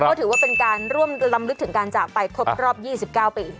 ก็ถือว่าเป็นการร่วมลำลึกถึงการจากไปครบรอบ๒๙ปี